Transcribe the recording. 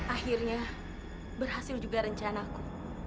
akhirnya berhasil juga rencana aku